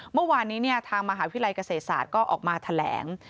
เมื่อวานนี้ทางมหาวิทยาลัยเกษตรศาสตร์ก็ออกมาแถลง